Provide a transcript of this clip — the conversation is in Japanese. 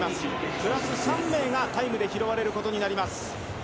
プラス３名がタイムで拾われることになります。